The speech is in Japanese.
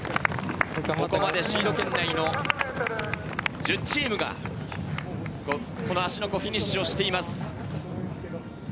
シード圏内の１０チームが芦ノ湖、フィニッシュしています。